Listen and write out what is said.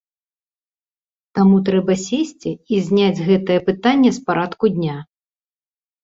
Таму трэба сесці і зняць гэтае пытанне з парадку дня.